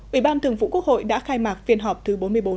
ủy ban thường vụ quốc hội đã khai mạc phiên họp thứ bốn mươi bốn